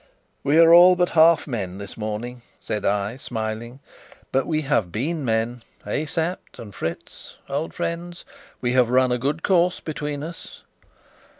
"We are all but half men this morning," said I, smiling. "But we have been men, eh, Sapt and Fritz, old friends? We have run a good course between us."